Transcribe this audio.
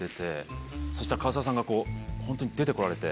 そしたら唐沢さんがこう本当に出てこられて。